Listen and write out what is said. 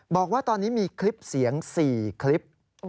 บอกว่าตอนนี้มีคลิปเสียง๔คลิป